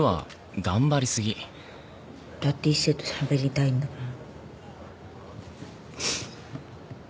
だって一星としゃべりたいんだもん。